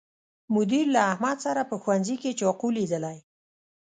مدیر له احمد سره په ښوونځي کې چاقو لیدلی